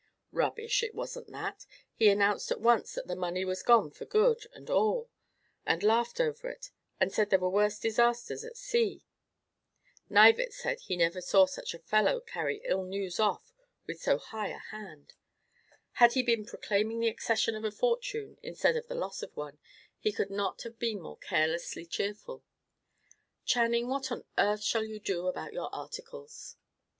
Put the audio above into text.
"Rubbish! It wasn't that. He announced at once that the money was gone for good and all, and laughed over it, and said there were worse disasters at sea. Knivett said he never saw a fellow carry ill news off with so high a hand. Had he been proclaiming the accession of a fortune, instead of the loss of one, he could not have been more carelessly cheerful. Channing, what on earth shall you do about your articles?"